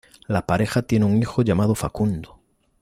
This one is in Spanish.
La pareja tiene un hijo llamado Facundo.